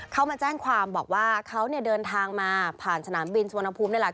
เขามาแจ้งความบอกว่าเขาเนี่ยเดินทางมาผ่านสนามบินสุวรรณภูมินี่แหละ